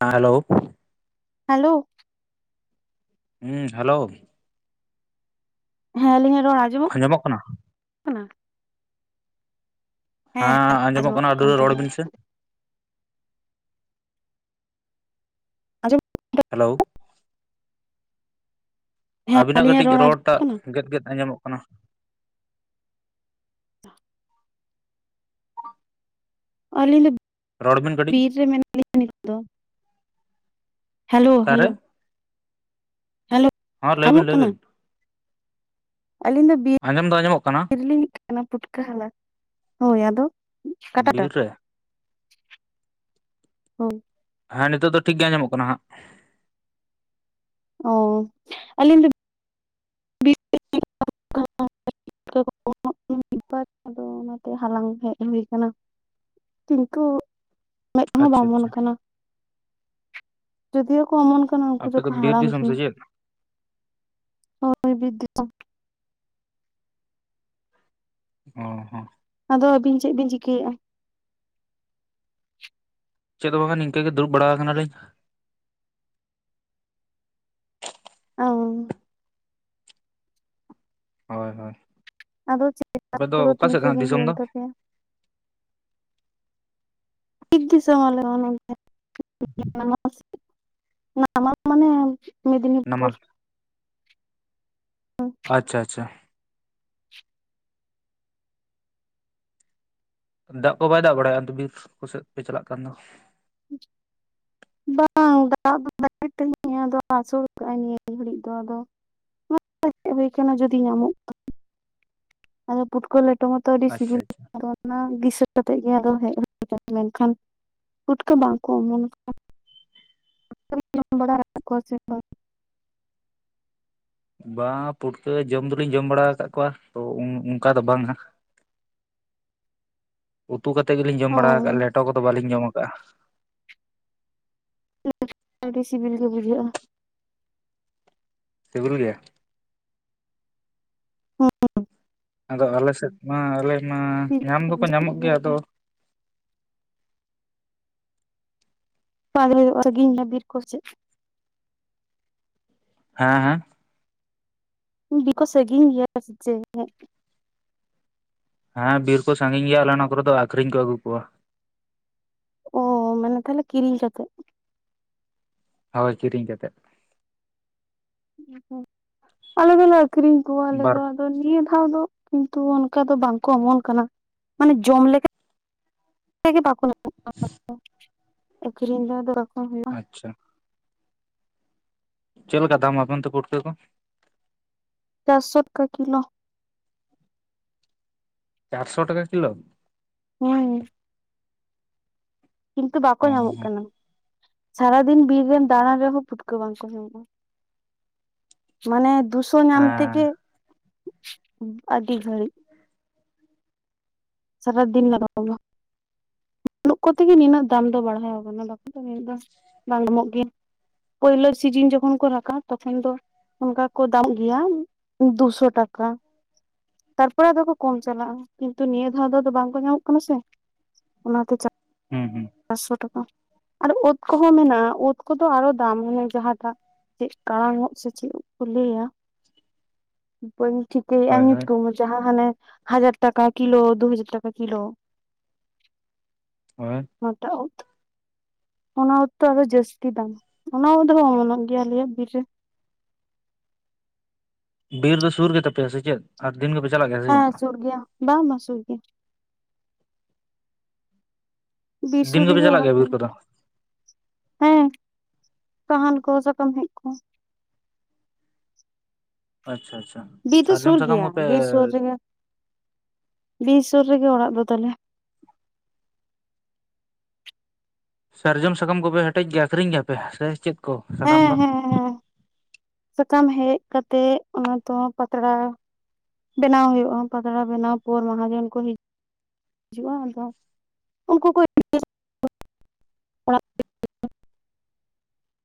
ᱦᱮᱸ hello. Hello. ᱦᱮᱸ hello. ᱦᱮᱸ ᱟᱞᱤᱧᱟᱜ ᱨᱚᱲ ᱟᱸ ᱟᱸᱡᱚᱢᱚᱜ ᱠᱟᱱᱟ? ᱠᱟᱱᱟ? ᱦᱮᱸ ᱟᱸᱡᱚᱢᱚᱜ ᱠᱟᱱᱟ [unintelligible] ᱨᱚᱲ ᱵᱤᱱ ᱥᱮ ᱾ [unintelligible] ᱦᱮᱞᱳ ᱾ ᱦᱮᱸ ᱟᱵᱤᱱᱟᱜ ᱟᱹᱞᱤᱧᱟᱜ ᱠᱟᱹᱴᱤᱡ ᱨᱚᱲ ᱟᱸᱡᱚᱢᱚᱜ ᱨᱚᱲᱴᱟᱜ ᱠᱟᱱᱟ? ᱜᱮᱫ ᱜᱮᱫ ᱟᱸᱡᱚᱢᱚᱜ ᱠᱟᱱᱟ ᱾ [inaudible] ᱟᱹᱞᱤᱧ ᱫᱚ ᱨᱚᱲ ᱵᱤᱱ [inaudible] ᱠᱟᱹᱴᱤᱡ ᱵᱤᱨ ᱨᱮ ᱢᱮᱱᱟᱜ ᱞᱤᱧᱟ ᱱᱤᱛ ᱫᱚ ᱾ ᱦᱮᱞᱳ ᱚᱠᱟᱨᱮ ᱦᱮᱞᱳ ᱾ ᱦᱮᱞᱳ ᱾ ᱦᱮᱸ ᱞᱟᱹᱭ ᱵᱤᱱ ᱞᱟᱹᱭ ᱵᱤᱱ ᱾ [inaudible] ᱟᱹᱞᱤᱧ ᱫᱚ ᱵᱤᱨ [inaudible] ᱞᱤᱧ ᱦᱮᱡ ᱠᱟᱱᱟ ᱯᱩᱴᱠᱟᱹ ᱦᱟᱞᱟᱝ ᱾ [inaudible] ᱦᱳᱭ ᱟᱫᱚ ᱵᱤᱨ ᱨᱮ [unintelligible] ᱦᱮᱸ ᱱᱤᱛᱳᱜ ᱫᱚ ᱴᱷᱤᱠ ᱜᱮ ᱟᱸᱡᱚᱢᱚᱜ ᱠᱟᱱᱟ ᱦᱟᱸᱜ ᱾ ᱚ ᱟᱞᱤᱧ ᱫᱚ [unintelligible] [unintelligible] ᱟᱫᱚ ᱚᱱᱟᱛᱮ ᱦᱟᱞᱟᱝ ᱦᱮᱡ ᱦᱩᱭ ᱟᱠᱟᱱᱟ ᱾ ᱠᱤᱱᱛᱩ ᱢᱮᱫᱦᱚ ᱵᱟ ᱟᱪᱪᱷᱟ ᱚᱢᱚᱱ ᱟᱪᱪᱷᱟ ᱟᱠᱟᱱᱟ [inaudible] ᱡᱚᱫᱤᱭᱳ ᱠᱚ ᱚᱢᱚᱱ ᱠᱟᱱᱟ ᱩᱱᱠᱩ ᱟᱯᱮ ᱫᱚ ᱫᱚᱠᱚ ᱵᱤᱨ ᱦᱟᱲᱟᱢ ᱫᱤᱥᱚᱢ ᱥᱮ ᱠᱟᱱᱟ ᱾ ᱪᱮᱫ ᱦᱩᱭ ᱵᱤᱨ ᱫᱤᱥᱚᱢ ᱾ ᱚᱸ ᱦᱮᱸ ᱾ ᱟᱫᱚ ᱟᱹᱵᱤᱱ ᱪᱮᱫ ᱵᱤᱱ ᱪᱤᱠᱟᱹᱭᱮᱜᱼᱟ? ᱪᱮᱫ ᱦᱚᱸ ᱵᱟᱝᱟ ᱱᱤᱝᱠᱟᱹ ᱜᱮ ᱫᱩᱲᱩᱵ ᱵᱟᱲᱟ ᱟᱠᱟᱱᱟ ᱠᱟᱱᱟᱞᱤᱧ᱾ ᱚ ᱦᱳᱭ ᱦᱳᱭ᱾ ᱟᱫᱚ [unintelligible] ᱟᱯᱮ ᱫᱚ ᱠᱚᱫᱚ ᱚᱠᱟ ᱛᱤᱱ ᱥᱮᱫ ᱠᱟᱱᱟ ᱥᱟᱺᱜᱤᱱ ᱫᱤᱥᱚᱢ ᱦᱩᱭᱮᱱ ᱫᱚ ᱛᱟᱯᱮᱭᱟ? [unintelligible] ᱱᱟᱢᱟᱞ ᱢᱮᱫᱽᱱᱤᱯᱩᱨ᱾ ᱟᱪᱪᱷᱟ ᱟᱪᱪᱷᱟ᱾ ᱫᱟᱜ ᱠᱚ ᱵᱟᱭ ᱫᱟᱜ ᱵᱟᱲᱟᱭᱟ ᱵᱤᱨ ᱠᱚᱥᱮᱫ ᱯᱮ ᱪᱟᱞᱟᱜ ᱠᱟᱱ ᱫᱚ? [inaudible] ᱵᱟᱝ ᱫᱟᱜ [unintelligible] ᱟᱥᱳᱲ ᱠᱟᱜᱼᱟᱭ ᱱᱤᱭᱟ ᱜᱷᱟᱹᱲᱤᱡ ᱫᱚ ᱟᱫᱚ᱾ ᱦᱩᱭ ᱦᱮᱢ ᱦᱳᱭ ᱟᱠᱟᱱᱟ ᱡᱩᱚᱫᱤ ᱧᱟᱢᱚᱜᱼᱟ ᱟᱫᱚ ᱯᱩᱴᱠᱟᱹᱣ ᱞᱮᱴᱚ ᱢᱟᱛᱚ ᱟᱹᱰᱤ ᱟᱪᱪᱷᱟ ᱥᱤᱵᱤᱞ ᱜᱮ ᱟᱪᱪᱷᱟ ᱟᱫᱚ ᱚᱱᱟ ᱫᱤᱥᱟᱹ ᱠᱟᱛᱮᱫ ᱜᱮ ᱟᱫᱚ ᱦᱮᱡ ᱦᱩᱭ ᱠᱟᱱ ᱢᱮᱱᱠᱷᱟᱱ ᱯᱩᱴᱠᱟᱹ ᱵᱟᱝᱠᱚ ᱚᱢᱚᱱ ᱠᱟᱱᱟ [unintelligible] ᱠᱚᱣᱟ ᱥᱮ ᱵᱟᱝ? ᱵᱟᱝ ᱯᱩᱴᱠᱟᱹ ᱡᱚᱢ ᱫᱚᱞᱤᱧ ᱡᱚᱢ ᱵᱟᱲᱟ ᱟᱠᱟᱫ ᱠᱚᱣᱟ ᱛᱚ ᱚᱱᱠᱟ ᱫᱚ ᱵᱟᱝ ᱦᱟᱸᱜ᱾ [inaudible] ᱩᱛᱩ ᱠᱟᱛᱮᱫ ᱜᱮᱞᱤᱧ ᱡᱚᱢ ᱚ ᱵᱟᱲᱟ ᱠᱟᱜᱼᱟ ᱞᱮᱴᱚ ᱠᱚᱫᱚ ᱵᱟᱟᱹᱞᱤᱧ ᱡᱚᱢ ᱠᱟᱜᱼᱟ᱾ ᱟᱹᱰᱤ ᱥᱤᱵᱤᱞ ᱜᱮ ᱵᱩᱡᱷᱟ᱾ [unintelligible] ᱥᱤᱵᱤᱞ ᱜᱮᱭᱟ᱾ ᱦᱩ ᱩ᱾ ᱟᱫᱚ ᱟᱞᱮ ᱥᱮᱫ ᱢᱟ ᱟᱞᱮ ᱢᱟ ᱥᱤᱵᱤᱞ ᱧᱟᱢ ᱜᱮ ᱫᱚᱠᱚ ᱵᱩᱡᱷᱟᱹᱜ ᱧᱟᱢᱚᱜ ᱜᱮᱭᱟ ᱟᱫᱚ [unintelligible] ᱵᱤᱨ ᱠᱚ ᱥᱮ ᱪᱮᱫ ᱦᱮᱸ ᱦᱮᱸ ᱵᱤᱨ ᱠᱚ ᱥᱟᱹᱜᱤᱧ ᱜᱮᱭᱟ ᱥᱮ ᱪᱮ? ᱦᱮᱸ ᱵᱤᱨ ᱠᱚ ᱥᱟᱹᱜᱤᱧ ᱜᱮᱭᱟ ᱟᱞᱮ ᱱᱟᱣᱟ ᱠᱚᱨᱮ ᱫᱚ ᱟᱠᱷᱨᱤᱧ ᱠᱚ ᱟᱹᱜᱩ ᱠᱚᱣᱟ᱾ ᱚ ᱢᱟᱱᱮ ᱛᱟᱦᱚᱞᱮ ᱠᱤᱨᱤᱧ ᱠᱟᱛᱮ᱾ ᱦᱳᱭ ᱠᱤᱨᱤᱧ ᱠᱟᱛᱮ᱾ ᱟᱞᱮ ᱫᱚᱞᱮ ᱟᱠᱷᱨᱤᱧ ᱠᱚᱣᱟ ᱟᱞᱮ ᱵᱟᱨ ᱫᱚ᱾ ᱱᱤᱭᱟᱹ ᱫᱷᱟᱣ ᱫᱚ ᱠᱤᱱᱛᱩ ᱚᱱᱠᱟ ᱫᱚ ᱵᱟᱝᱠᱚ ᱚᱢᱚᱱ ᱠᱟᱱᱟ ᱢᱟᱱᱮ ᱡᱚᱢ ᱞᱮᱠᱟ [unintelligible] ᱧᱟᱢᱚᱜ ᱠᱟᱱᱟ ᱟᱹᱠᱷᱨᱤᱧ ᱫᱚ ᱦᱩᱭᱩᱜᱼᱟ ᱟᱪᱪᱷᱟ᱾ ᱪᱮᱫ ᱞᱮᱠᱟ ᱫᱟᱢ ᱟᱯᱮ ᱟᱱᱛᱮ ᱯᱩᱴᱠᱟᱹ ᱠᱚ᱾ ᱪᱟᱨᱥᱚ ᱴᱟᱠᱟ ᱠᱤᱞᱳ᱾ ᱪᱟᱨᱥᱚ ᱴᱟᱠᱟ ᱠᱤᱞᱳ? ᱦᱩᱸ᱾ ᱠᱤᱱᱛᱩ ᱵᱟᱠᱚ ᱚ ᱧᱟᱢᱚᱜ ᱠᱟᱱᱟ ᱥᱟᱨᱟᱫᱤᱱ ᱵᱤᱨ ᱨᱮᱱ ᱫᱟᱬᱟᱱ ᱨᱮᱦᱚᱸ ᱯᱩᱴᱠᱟᱹ ᱵᱟᱝᱠᱚ ᱧᱟᱢᱚᱜᱼᱟ᱾ ᱢᱟᱱᱮ ᱫᱩᱥᱚ ᱦᱮᱸ ᱧᱟᱢ ᱛᱮᱜᱮ ᱟᱹᱰᱤ ᱜᱷᱟᱹᱲᱤᱡ᱾ ᱥᱟᱨᱟ ᱫᱤᱱ ᱞᱟᱜᱟᱣ ᱟᱢᱟ᱾ ᱵᱟᱹᱱᱩᱜ ᱠᱚ ᱛᱮᱜᱮ ᱱᱤᱱᱟᱹᱜ ᱫᱟᱢ ᱫᱚ ᱵᱟᱲᱦᱟᱣ ᱠᱟᱱᱟ ᱵᱟᱠᱷᱟᱡ ᱫᱚ ᱱᱤᱭᱟᱹ ᱫᱚ ᱵᱟᱝ ᱫᱟᱢᱚᱜ ᱜᱮᱭᱟ᱾ ᱯᱳᱭᱞᱳ ᱥᱤᱡᱤᱱ ᱡᱚᱠᱷᱚᱱ ᱠᱚ ᱨᱟᱠᱟ ᱛᱚᱠᱷᱚᱱ ᱫᱚ ᱚᱱᱠᱟ ᱠᱚ ᱫᱟᱢᱚᱜ ᱜᱮᱭᱟ ᱫᱩᱥᱚ ᱴᱟᱠᱟ᱾ ᱛᱟᱨᱯᱚᱨᱮ ᱟᱫᱚ ᱠᱚ ᱠᱚᱢ ᱪᱟᱞᱟᱜᱼᱟ ᱠᱤᱱᱛᱩ ᱱᱤᱭᱟ ᱫᱷᱟᱣ ᱫᱚ ᱵᱟᱝ ᱠᱚ ᱧᱟᱢᱚᱜ ᱠᱟᱱᱟ ᱥᱮ ᱚᱱᱟᱛᱮ ᱦᱩᱸ ᱦᱩᱸ ᱪᱟᱨᱥᱚ ᱴᱟᱠᱟ᱾ ᱟᱨ ᱩᱫ ᱠᱚᱦᱚᱸ ᱢᱮᱱᱟᱜᱼᱟ ᱩᱫ ᱠᱚᱫᱚ ᱟᱨᱚ ᱫᱟᱢ ᱢᱟᱱᱮ ᱡᱟᱦᱟᱸᱴᱟᱜ ᱪᱮᱫ ᱠᱟᱲᱟᱝ ᱩᱫ ᱥᱮ ᱪᱮᱫ ᱩᱫ ᱠᱚ ᱞᱟᱹᱭᱟ ᱵᱟᱹᱧ ᱴᱷᱤᱠ ᱟ ᱦᱳᱭ ᱦᱳᱭ ᱧᱩᱛᱩᱢ ᱡᱟᱦᱟᱸ ᱦᱟᱱᱮ ᱦᱟᱡᱟᱨ ᱴᱟᱠᱟ ᱠᱤᱞᱳ ᱫᱩ ᱦᱟᱡᱟᱨ ᱴᱟᱠᱟ ᱠᱤᱞᱳ ᱾ [inaudible] ᱚᱱᱟ ᱴᱟᱜ ᱩᱫ ᱾ ᱚᱱᱟ ᱩᱫ ᱟᱫᱚ ᱡᱟᱥᱛᱤ ᱫᱟᱢ ᱚᱱᱟ ᱩᱫ ᱦᱚᱸ ᱚᱢᱚᱱᱚᱜ ᱜᱮᱭᱟ ᱟᱞᱮᱭᱟᱜ ᱵᱤᱨ ᱨᱮ ᱾ ᱵᱤᱨ ᱫᱚ ᱥᱩᱨ ᱜᱮᱛᱟ ᱯᱮᱭᱟ ᱥᱮ ᱪᱮᱫ? ᱟᱨ ᱫᱤᱱ ᱜᱮᱯᱮ ᱪᱟᱞᱟᱜ ᱜᱮᱭᱟ? ᱥᱮ ᱦᱮᱸ ᱪᱮᱫ ᱥᱩᱨ ᱜᱮᱭᱟ ᱵᱟᱝ ᱵᱟᱝ ᱢᱟ ᱥᱩᱨ ᱜᱮᱭᱟ ᱾ ᱵᱤᱨ ᱫᱤᱱ ᱥᱩᱨ ᱜᱮᱯᱮ ᱨᱮᱜᱮ ᱪᱟᱞᱟᱜ ᱚᱲᱟᱜ ᱜᱮᱭᱟ ᱵᱤᱨ ᱛᱟᱞᱮ ᱠᱚᱫᱚ ᱾ ᱦᱮᱸ ᱥᱟᱦᱟᱱ ᱠᱚ ᱥᱟᱠᱟᱢ ᱦᱮᱡ ᱠᱚ ᱾ ᱟᱪᱪᱷᱟ ᱟᱪᱪᱷᱟ ᱟᱪᱷᱟ ᱾ ᱵᱤᱨ ᱫᱚ ᱥᱩᱨ ᱜᱮᱭᱟ ᱵᱤᱨ ᱥᱩᱨ ᱨᱮᱜᱮ ᱵᱤᱨ ᱥᱩᱨ ᱨᱮᱜᱮ ᱚᱲᱟᱜ ᱫᱚ ᱛᱟᱞᱮ ᱾ ᱥᱟᱨᱡᱚᱢ ᱥᱟᱠᱟᱢ ᱠᱚᱯᱮ ᱦᱮᱴᱮᱡ ᱜᱮᱭᱟ ᱟᱠᱷᱨᱤᱧ ᱜᱮᱭᱟᱯᱮ ᱥᱮ ᱪᱮᱫ ᱠᱚ ᱥᱟᱠᱟᱢ ᱦᱮᱸ ᱫᱚ? ᱦᱮᱸ ᱦᱮᱸ ᱥᱟᱠᱟᱢ ᱦᱮᱡ ᱠᱟᱛᱮᱜ ᱚᱱᱟ ᱫᱚ ᱯᱟᱛᱲᱟ ᱵᱮᱱᱟᱣ ᱦᱩᱭᱩᱜᱼᱟ ᱯᱟᱛᱲᱟ ᱵᱮᱱᱟᱣ ᱯᱚᱨ ᱢᱟᱦᱟᱡᱚᱱ ᱠᱚ ᱦᱤᱡ ᱦᱤᱡᱩᱜᱼᱟ ᱫᱚ ᱟᱫᱚ ᱩᱱᱠᱩ ᱠᱚ [unintelligible]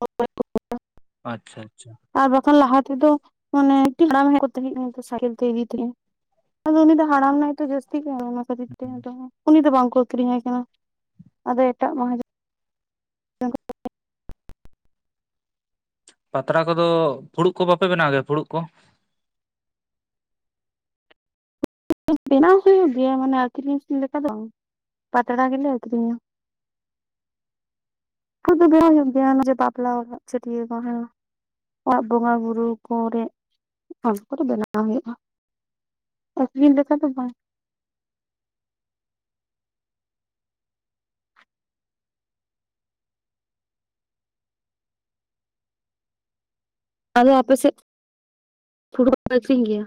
[unintelligible] ᱟᱪᱪᱷᱟ ᱟᱪᱪᱷᱟ ᱾ ᱟᱨ ᱵᱟᱠᱷᱟᱱ ᱞᱟᱦᱟ ᱛᱮᱫᱚ ᱢᱟᱱᱮ [unintelligible] ᱥᱟᱭᱠᱮᱞ ᱛᱮ ᱤᱫᱤ ᱛᱟᱦᱮᱸ ᱤᱧ ᱾ ᱟᱫᱚ ᱩᱱᱤ ᱫᱚ ᱦᱟᱲᱟᱱᱟᱢ ᱱᱟᱭ ᱛᱚ ᱡᱟᱥ ᱛᱤ ᱜᱮ ᱟᱱᱟ ᱠᱷᱟᱛᱤᱨ ᱛᱮ ᱩᱱᱤ ᱫᱚ ᱵᱟᱝᱠᱚ ᱟᱹᱠᱷᱨᱤᱧᱟᱭ ᱠᱟᱱᱟ ᱟᱫᱚ ᱮᱴᱟᱜ ᱢᱟᱦᱟᱡᱚᱱ ᱯᱟᱛᱲᱟ ᱠᱚᱫᱚ ᱯᱷᱩᱲᱩᱜ ᱠᱚ ᱵᱟᱯᱮ ᱵᱮᱱᱟᱣ ᱜᱮᱭᱟ ᱯᱷᱩᱲᱩᱜ ᱠᱚ? ᱵᱮᱱᱟᱣ ᱦᱩᱭᱩᱜ ᱜᱮᱭᱟ ᱢᱟᱱᱮ ᱟᱹᱠᱷᱨᱤᱧ ᱞᱮᱠᱟ ᱫᱚ ᱵᱟᱝ᱾ ᱯᱟᱛᱲᱟ ᱜᱮᱞᱮ ᱟᱹᱠᱷᱨᱤᱧᱟ ᱾ [unintelligible] ᱵᱮᱲᱟ ᱧᱚᱜ ᱜᱮᱭᱟ ᱵᱟᱯᱞᱟ ᱚᱲᱟᱜ ᱪᱷᱟᱹᱴᱭᱟ. ᱨ ᱢᱟᱦᱟ ᱚᱲᱟᱜ ᱵᱚᱸᱜᱟ ᱵᱩᱨᱩ ᱠᱚᱨᱮ ᱚᱱᱟ ᱠᱚᱫᱚ ᱵᱮᱱᱟᱣ ᱦᱩᱭᱩᱜᱼᱟ ᱾ ᱢᱤᱫ ᱞᱮᱠᱟ ᱫᱚ ᱵᱟᱝ ᱾ ᱟᱫᱚ ᱟᱯᱮ ᱥᱮᱫ [inaudible] ᱟᱠᱷᱨᱤᱧ ᱜᱮᱭᱟ?